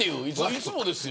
いつもですよ。